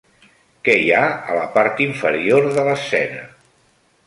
Qui hi ha a la part inferior de l'escena?